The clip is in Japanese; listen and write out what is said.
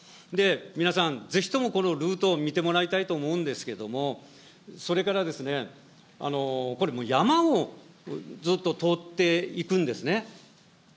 皆さんぜひともこのルートを見てもらいたいと思うんですけれども、それから、これ山をずっと通っていくんですね。